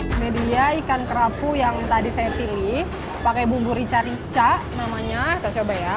ini dia ikan kerapu yang tadi saya pilih pakai bumbu rica rica namanya kita coba ya